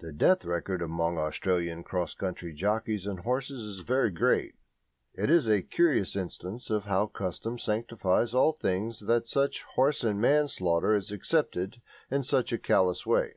The death record among Australian cross country jockeys and horses is very great; it is a curious instance of how custom sanctifies all things that such horse and man slaughter is accepted in such a callous way.